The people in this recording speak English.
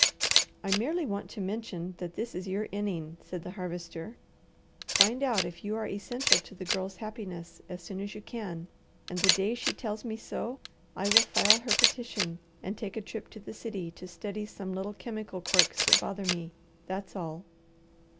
"I merely want to mention that this is your inning," said the Harvester. "Find out if you are essential to the Girl's happiness as soon as you can, and the day she tells me so, I will file her petition and take a trip to the city to study some little chemical quirks that bother me. That's all."